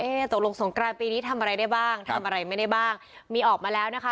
ตกลงสงกรานปีนี้ทำอะไรได้บ้างทำอะไรไม่ได้บ้างมีออกมาแล้วนะคะ